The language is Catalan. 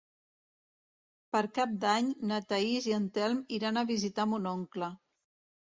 Per Cap d'Any na Thaís i en Telm iran a visitar mon oncle.